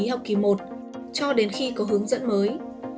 học kỷ i cho đến khi có hướng dẫn mới